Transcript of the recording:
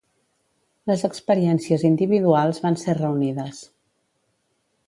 Les experiències individuals van ser reunides.